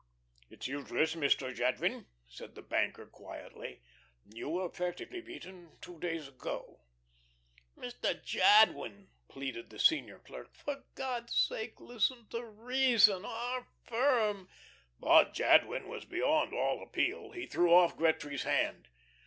"It's useless, Mr. Jadwin," said the banker, quietly. "You were practically beaten two days ago." "Mr. Jadwin," pleaded the senior clerk, "for God's sake listen to reason. Our firm " But Jadwin was beyond all appeal. He threw off Gretry's hand.